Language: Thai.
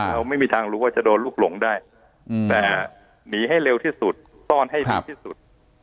เราไม่มีทางรู้ว่าจะโดนลูกหลงได้แต่หนีให้เร็วที่สุดซ่อนให้เร็วที่สุด